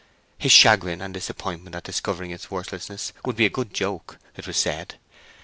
His chagrin and disappointment at discovering its worthlessness would be a good joke, it was said.